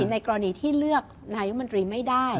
ในกรณีที่เลือกนายมนตรีไม่ได้